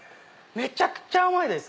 めちゃくちゃ甘いです。